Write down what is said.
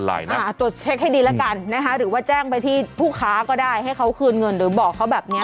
ตรวจเช็คให้ดีแล้วกันนะคะหรือว่าแจ้งไปที่ผู้ค้าก็ได้ให้เขาคืนเงินหรือบอกเขาแบบนี้